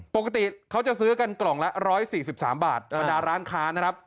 ปกติเขาจะซื้อกันกล่องละ๑๔๓บาทบรรดาร้านค้านะครับ